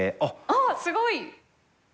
あっすごい。